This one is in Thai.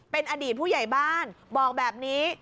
เป็นอดีตผู้ใหญ่บ้านบอกแบบนี้